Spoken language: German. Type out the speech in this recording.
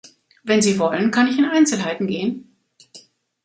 Wenn Sie wollen, kann ich in Einzelheiten gehen.